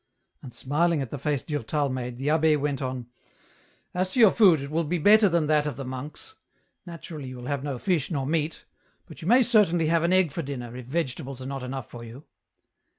And smiling at the face Durtal made, the abbdwenton, — "As to your food it will be better than that of the monks ; naturally you will have no fish nor meat, but you may certainly have an egg for dinner, if vegetables are not enough for you."